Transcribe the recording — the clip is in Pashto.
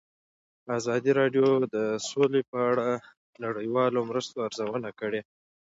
ازادي راډیو د سوله په اړه د نړیوالو مرستو ارزونه کړې.